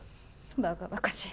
バカバカしい。